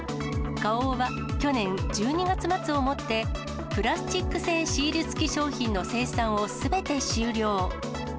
花王は、去年１２月末をもって、プラスチック製シール付き商品の生産をすべて終了。